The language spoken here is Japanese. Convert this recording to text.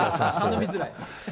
頼みづらい。